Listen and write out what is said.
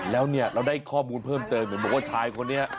แล้วเนี่ยเราได้ข้อมูลเพิ่มเติมเห็นบอกว่าชายคนนี้